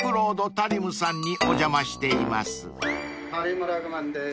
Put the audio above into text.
タリムラグメンです。